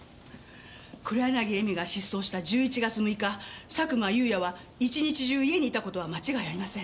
黒柳恵美が失踪した１１月６日佐久間有也は一日中家にいたことは間違いありません。